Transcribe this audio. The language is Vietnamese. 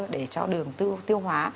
để cho đường tiêu hóa